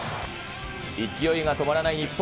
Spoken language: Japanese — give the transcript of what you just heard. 勢いが止まらない日本。